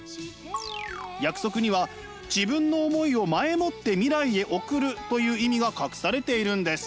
約束には自分の思いを前もって未来へ送るという意味が隠されているんです。